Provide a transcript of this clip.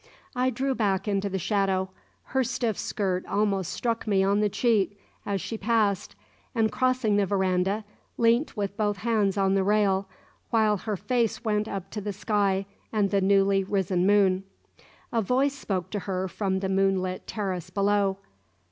I drew back into the shadow. Her stiff skirt almost struck me on the cheek as she passed, and, crossing the verandah, leant with both hands on the rail, while her face went up to the sky and the newly risen moon. A voice spoke to her from the moonlit terrace below.